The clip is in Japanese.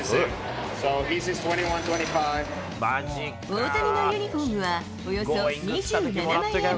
大谷のユニホームはおよそ２７万円。